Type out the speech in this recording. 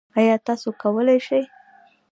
ایا تاسو کولی شئ؟